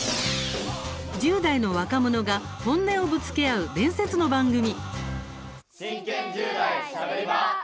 １０代の若者が本音をぶつけ合う伝説の番組。